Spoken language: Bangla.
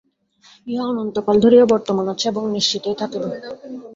ইহা অনন্তকাল ধরিয়া বর্তমান আছে এবং নিশ্চিতই থাকিবে।